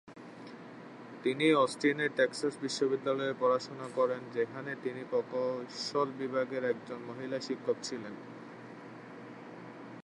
তিনি অস্টিনের টেক্সাস বিশ্ববিদ্যালয়ে পড়াশোনা করেন, যেখানে তিনি প্রকৌশল বিভাগের একমাত্র মহিলা শিক্ষক ছিলেন।